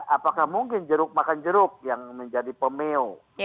apakah mungkin jeruk makan jeruk yang menjadi pemeo